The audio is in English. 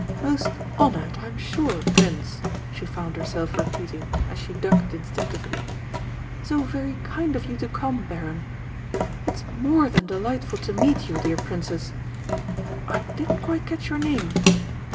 "Most honoured, I'm sure, Prince!" she found herself repeating, as she ducked instinctively. "So very kind of you to come, Baron!... It's more than delightful to meet you, dear Princess I didn't quite catch your name!...